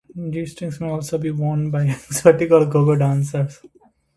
G-strings may also be worn by exotic or go-go dancers.